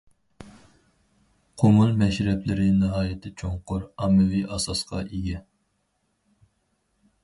قۇمۇل مەشرەپلىرى ناھايىتى چوڭقۇر ئاممىۋى ئاساسقا ئىگە.